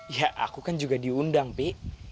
iya kak aku kan juga diundang pi